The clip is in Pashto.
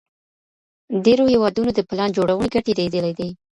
ډېرو هېوادونو د پلان جوړوني ګټي ليدلي دي.